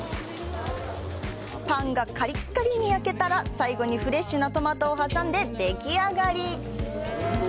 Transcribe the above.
パンがカリカリに焼けたら最後にフレッシュなトマトを挟んででき上がり。